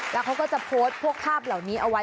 แล้วเขาก็จะโพสต์พวกภาพเหล่านี้เอาไว้